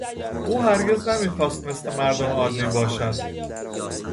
او هرگز نمیخواست مثل مردم عادی باشد.